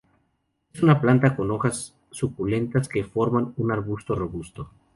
Es una planta con hojas suculentas que forma un arbusto robusto.